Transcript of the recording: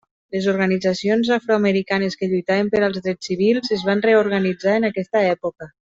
Les organitzacions afroamericanes que lluitaven per als drets civils es van reorganitzar en aquesta època.